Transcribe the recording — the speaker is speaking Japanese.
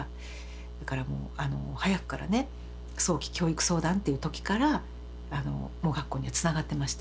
だからもう早くからね早期教育相談っていう時から盲学校にはつながってました。